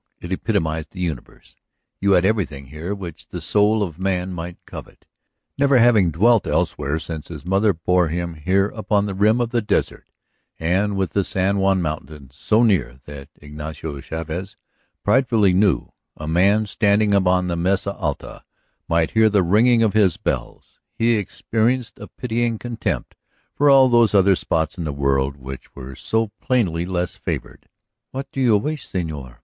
It epitomized the universe. You had everything here which the soul of man might covet. Never having dwelt elsewhere since his mother bore him here upon the rim of the desert and with the San Juan mountains so near that, Ignacio Chavez pridefully knew, a man standing upon the Mesa Alta might hear the ringing of his bells, he experienced a pitying contempt for all those other spots in the world which were so plainly less favored. What do you wish, señor?